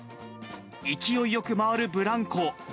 勢いよく回るブランコ。